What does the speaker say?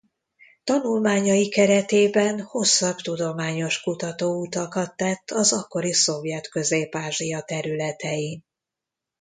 Tanulmányai keretében hosszabb tudományos kutató utakat tett az akkori szovjet Közép-Ázsia területein.